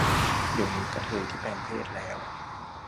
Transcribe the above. เดี๋ยวนี้กระเทยที่แปลงเพศแล้ว